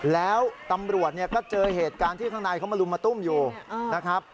แล้วตำรวจเนี่ยก็เจอเหตุการณ์ที่ข้างในเขามาลุมมาตุ้มอยู่นะครับ